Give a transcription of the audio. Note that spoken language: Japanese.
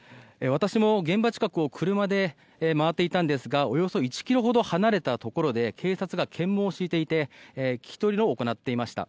私も現場近くを車で回っていたんですがおよそ１ｋｍほど離れたところで警察が検問を敷いていて聞き取りを行っていました。